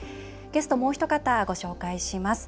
ゲスト、もうひと方ご紹介します。